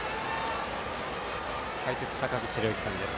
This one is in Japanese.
解説、坂口裕之さんです。